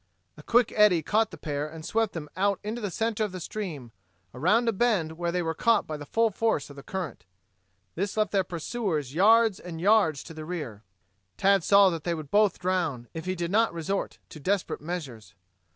A quick eddy caught the pair and swept them out into the center of the stream, around a bend where they were caught by the full force of the current. This left their pursuers yards and yards to the rear. Tad saw that they would both drown, if he did not resort to desperate measures.